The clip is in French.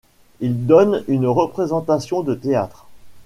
Ils donnent une représentation de théâtre.